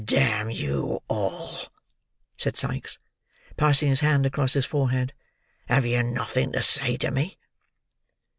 "Damn you all!" said Sikes, passing his hand across his forehead. "Have you nothing to say to me?"